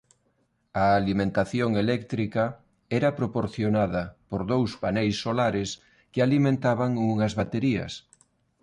A alimentación eléctrica era proporcionada por dous paneis solares que alimentaban unhas baterías.